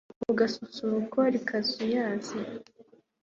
ku gasusuruko rikazuyaza